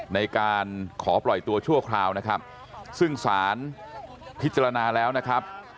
ในการขอปล่อยตัวชั่วคราวนะครับซึ่งสารพิจารณาแล้วนะครับ